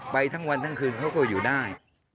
ไปทั้งวันทั้งคืนเขาก็อยู่ได้